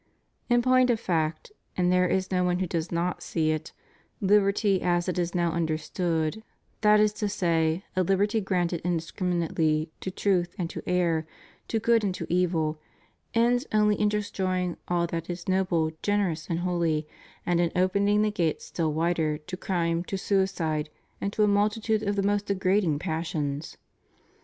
In point of fact, and there is no one who does not see it, hberty as it is now understood, that is to say, a hberty granted indiscriminately to truth and to error, to good and to evil, ends only in destroying all that is noble, generous, and holy, and in opening the gates still wider to crime, to suicide, and to a multitude of the most de grading passions.